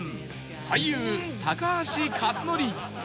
俳優高橋克典